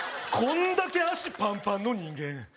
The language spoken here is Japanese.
こんだけ脚パンパンの人間